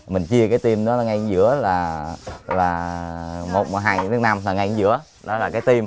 mình chia cái tim đó ngay giữa là một hai thước năm là ngay giữa đó là cái tim